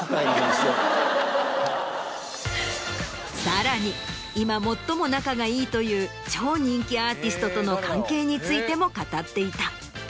さらに今最も仲がいいという超人気アーティストとの関係についても語っていた。